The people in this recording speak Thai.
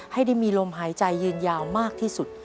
ให้ได้มีลมหายใจยืนยาวมากที่สุด